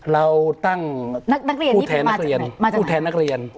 เราตั้งผู้แทนนักเรียน